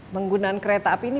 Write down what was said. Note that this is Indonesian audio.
penggunaan kereta api ini